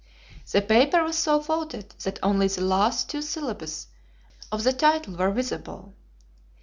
The paper was so folded that only the last two syllables of the title were visible.